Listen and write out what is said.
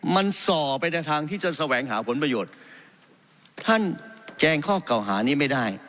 มันส่อไปในทางที่จะแสวงหาผลประโยชน์ท่านแจ้งข้อเก่าหานี้ไม่ได้